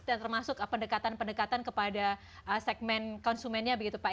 dan termasuk pendekatan pendekatan kepada segmen konsumennya begitu pak